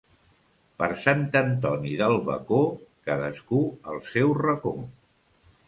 Per Sant Antoni del bacó, cadascú al seu racó.